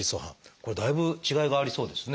これだいぶ違いがありそうですね。